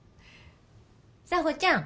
佐帆ちゃん。